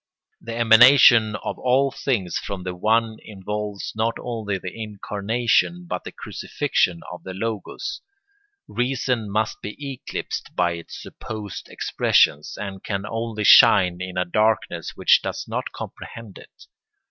The emanation of all things from the One involves not only the incarnation but the crucifixion of the Logos. Reason must be eclipsed by its supposed expressions, and can only shine in a darkness which does not comprehend it.